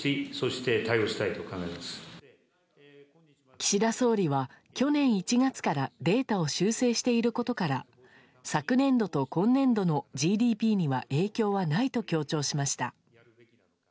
岸田総理は、去年１月からデータを修正していることから昨年度と今年度のＧＤＰには影響はないと強調しました。